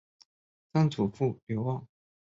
曾祖父刘旺。